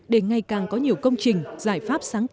để ngày càng có nhiều công trình giải pháp sản xuất